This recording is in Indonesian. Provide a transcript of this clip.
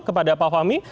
kepada pak fahmi